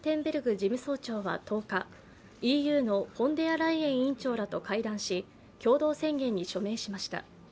事務総長は１０日、ＥＵのフォンデアライエン委員長らと会談し共同宣言に署名しました。